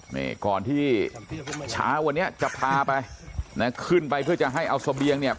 นี่ก่อนที่เช้าวันนี้จะพาไปนะขึ้นไปเพื่อจะให้เอาเสบียงเนี่ย